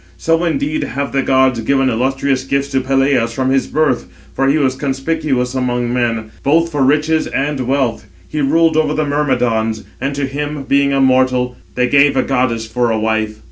So indeed have the gods given illustrious gifts to Peleus from his birth; for he was conspicuous among men, both for riches and wealth, and he ruled over the Myrmidons, and to him, being a mortal, they gave a goddess for a wife.